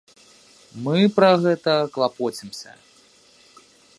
Мы пра гэта клапоцімся.